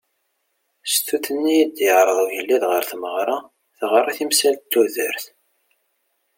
Stut-nni i d-yeɛreḍ ugelliḍ ɣer tmeɣra teɣra timsal n tudert.